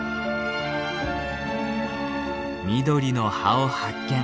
緑の葉を発見。